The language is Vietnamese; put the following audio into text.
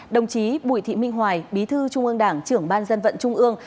đồng chí bùi thị minh hoài bí thư trung ương đảng trưởng ban dân vận trung ương